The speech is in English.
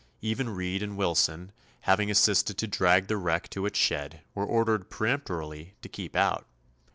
Even Reed and Wilson, having assisted to drag the wreck to its shed, were ordered peremptorily to keep out.